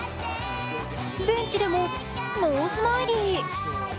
ベンチでもノースマイリー。